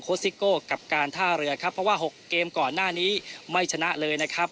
ซิโก้กับการท่าเรือครับเพราะว่า๖เกมก่อนหน้านี้ไม่ชนะเลยนะครับ